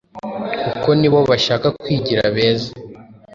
kuko nibo bashaka kwigira beza.